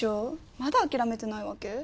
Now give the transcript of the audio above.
まだ諦めてないわけ？